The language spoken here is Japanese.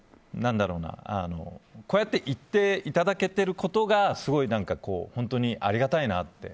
こうやって言っていただけていることがすごい本当にありがたいなって。